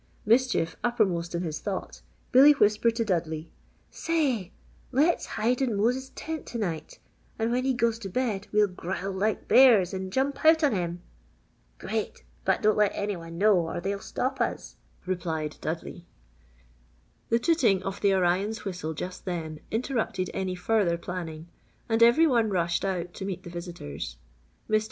Mischief uppermost in his thought, Billy whispered to Dudley: "Say, let's hide in Mose's tent to night and when he goes to bed we'll growl like bears and jump out on him!" "Great! But don't let any one know or they'll stop us," replied Dudley. The tooting of the Orion's whistle just then, interrupted any further planning and every one rushed out to meet the visitors. Mr.